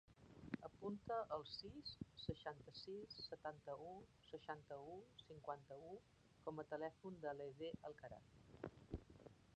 Apunta el sis, seixanta-sis, setanta-u, seixanta-u, cinquanta-u com a telèfon de l'Aidé Alcaraz.